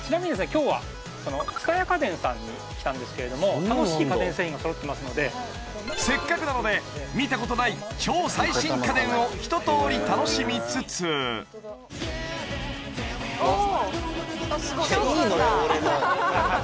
今日はこの蔦屋家電さんに来たんですけれども楽しい家電製品が揃ってますのでせっかくなので見たことない超最新家電を一とおり楽しみつつおおあっ